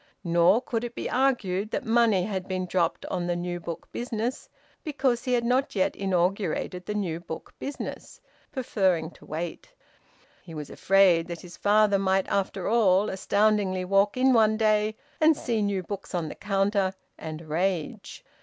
Nor could it be argued that money had been dropped on the new book business, because he had not yet inaugurated the new book business, preferring to wait; he was afraid that his father might after all astoundingly walk in one day, and see new books on the counter, and rage.